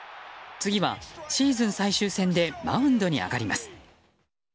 次はシーズン最終戦でマウンドに上がります。